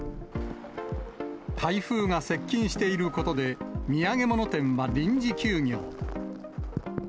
台風が接近していることで、土産物店は臨時休業。